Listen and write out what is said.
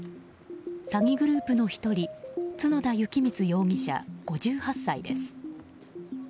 詐欺グループの１人角田幸光容疑者、５８歳です。